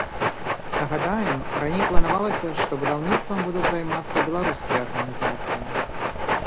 Нагадаем, раней планавалася, што будаўніцтвам будуць займацца беларускія арганізацыі.